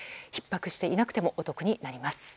ひっ迫していなくてもお得になります。